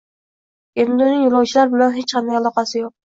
Endi uning yo'lovchilar bilan hech qanday aloqasi yo'q